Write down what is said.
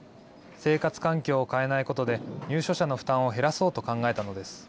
生活環境を変えないことで、入所者の負担を減らそうと考えたのです。